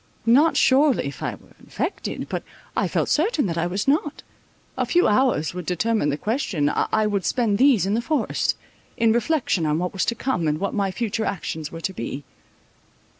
Not surely if I were infected; but I felt certain that I was not—a few hours would determine the question—I would spend these in the forest, in reflection on what was to come, and what my future actions were to be.